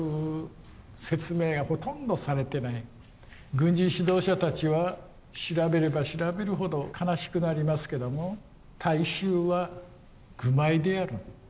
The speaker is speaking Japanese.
軍事指導者たちは調べれば調べるほど悲しくなりますけども大衆は愚昧である。